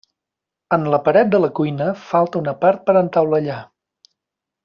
En la paret de la cuina falta una part per entaulellar.